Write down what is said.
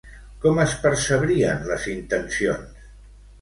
Com es percebrien les intencions?